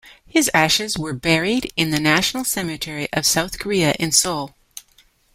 His ashes were buried in the National Cemetery of South Korea in Seoul.